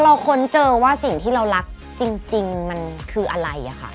ค้นเจอว่าสิ่งที่เรารักจริงมันคืออะไรอะค่ะ